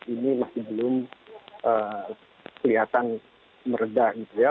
karena kekuatan keluarga ini masih belum kelihatan meredah gitu ya